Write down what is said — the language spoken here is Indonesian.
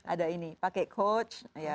ada ini pakai coach